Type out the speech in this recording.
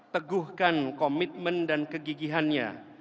teguhkan komitmen dan kegigihannya